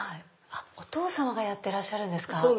お父さまがやってらっしゃるんですか。